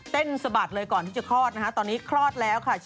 เต้นป๊าบเลยก่อนที่จะคอดนะตอนนี้คอดแล้วค่ะ